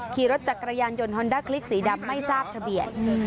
ขี่รถจักรยานยนต์ฮอนด้าคลิกสีดำไม่ทราบทะเบียน